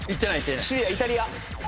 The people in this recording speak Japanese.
シチリアイタリア。